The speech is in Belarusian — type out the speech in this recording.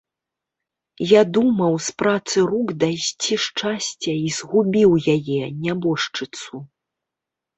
Я думаў з працы рук дайсці шчасця і згубіў яе, нябожчыцу.